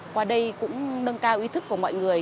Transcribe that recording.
qua đây cũng nâng cao ý thức của mọi người